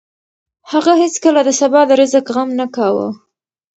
هغه هېڅکله د سبا د رزق غم نه کاوه.